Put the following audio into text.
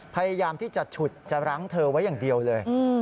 พยายามที่จะฉุดจะรั้งเธอไว้อย่างเดียวเลย